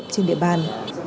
trên địa bàn